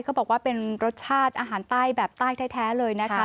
เขาบอกว่าเป็นรสชาติอาหารใต้แบบใต้แท้เลยนะคะ